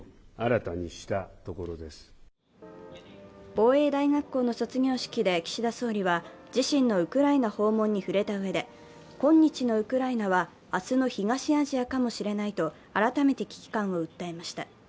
防衛大学校の卒業式で岸田総理は、自身のウクライナ訪問に触れたうえで、今日のウクライナは明日の東アジアかもしれないと改めて危機感を訴えました。